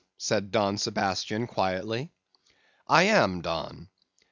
said Don Sebastian, quietly. "'I am, Don.